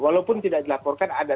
walaupun tidak dilaporkan ada